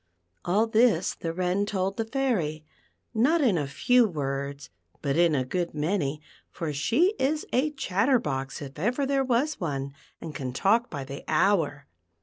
All this the Wren told the Fairv, not in a few words, but in a THE PEARL rOU.\TAlN. 9 good many ; for she is a chatterbox if ever there was one, and can talk by the hour.